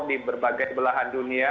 di berbagai belahan dunia